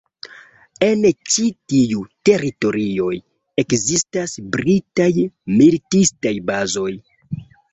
En ĉi tiuj teritorioj ekzistas britaj militistaj bazoj.